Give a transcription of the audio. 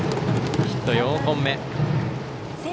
ヒット４本目。